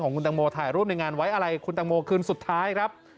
คุณตังโมถ่ายรูปในงานไว้อะไรคุณตังโมคืนสุดท้ายครับ